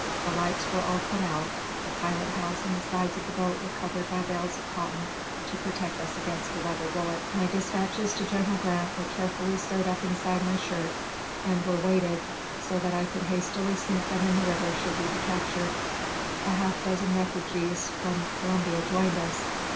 The lights were all put out. The pilot house and the sides of the boat were covered by bales of cotton, to protect us against the Rebel bullets. My dispatches to General Grant were carefully sewed up inside my shirt, and were weighted, so that I could hastily sink them in the river should we be captured. A half dozen refugees from Columbia joined us.